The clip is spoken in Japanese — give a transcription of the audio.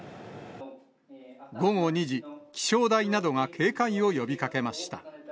午後２時、気象台などが警戒を呼びかけました。